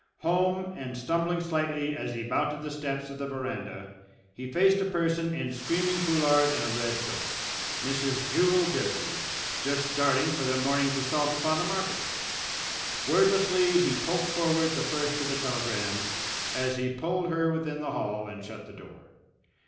Home, and stumbling slightly as he mounted the steps of the veranda, he faced a person in screaming foulard and a red toque, Mrs. Jewel Garrity, just starting for the morning's assault upon the market. Wordlessly he poked forward the first of the telegrams as he pulled her within the hall and shut the door.